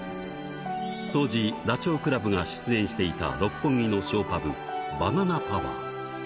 当時、ダチョウ倶楽部が出演していた六本木のショーパブ、バナナパワー。